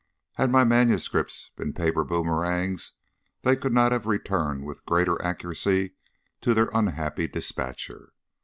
Had my manuscripts been paper boomerangs they could not have returned with greater accuracy to their unhappy dispatcher.